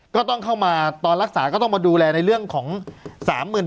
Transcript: ก็ต้องเข้ามาตอนรักษาก็ต้องมาดูแลในเรื่องของ๓๐๐๐